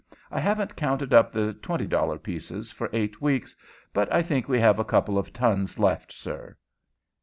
I haven't counted up the $20 pieces for eight weeks, but I think we have a couple of tons left, sir."